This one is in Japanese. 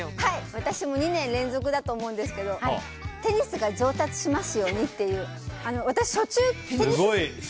私も２年連続だと思うんですけどテニスが上達しますようにっていう。